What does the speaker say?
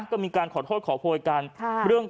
ก็มีการขอโทษขอโพยกัน